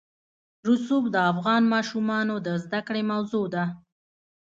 رسوب د افغان ماشومانو د زده کړې موضوع ده.